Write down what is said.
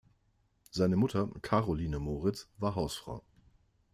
Seine Mutter "Caroline Moritz" war Hausfrau.